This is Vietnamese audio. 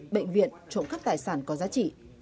bệnh viện trộm cắp tài sản có giá trị